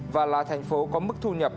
và là thành phố có mức thu nhập